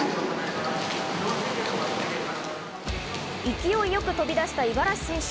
勢いよく飛び出した五十嵐選手。